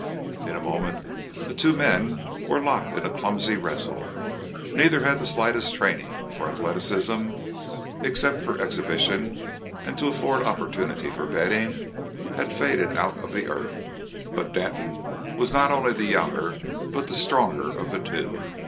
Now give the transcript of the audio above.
In a moment the two men were locked in a clumsy wrestle. Neither had the slightest training for athleticism, except for exhibition and to afford opportunity for betting, had faded out of the earth but Denton was not only the younger but the stronger of the two.